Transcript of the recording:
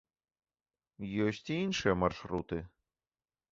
Ёсць і іншыя маршруты.